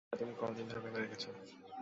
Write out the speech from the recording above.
এটা তুমি কতদিন ধরে ভেবে রেখেছ?